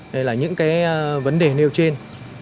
đây là những cái vấn đề nêu trên